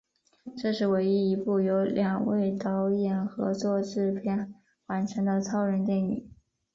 这是唯一一部由两位导演合作制片完成的超人电影。